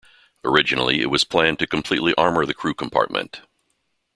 Originally, it was planned to completely armour the crew compartment.